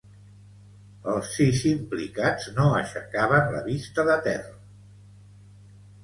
Els sis implicats no aixecaven la vista de terra.